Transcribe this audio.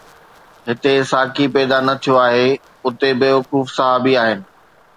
هتي ساقي پيدا نه ٿيو آهي، اتي بيوقوف صحابي آهن